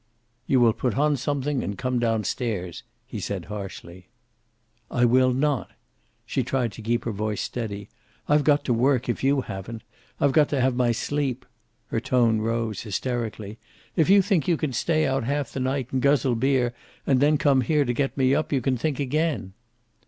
"You will put on something and come down stairs," he said harshly. "I will not." She tried to keep her voice steady. "I've got to work, if you haven't. I've got to have my sleep." Her tone rose, hysterically. "If you think you can stay out half the night, and guzzle beer, and then come here to get me up, you can think again."